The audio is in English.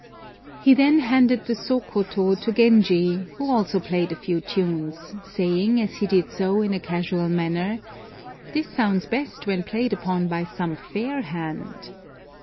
He then handed the soh koto to Genji, who also played a few tunes, saying, as he did so, in a casual manner, "This sounds best when played upon by some fair hand."